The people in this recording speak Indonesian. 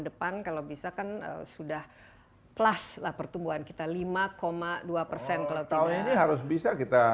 depan kalau bisa kan sudah kelas lah pertumbuhan kita lima dua persen kalau tidak harus bisa kita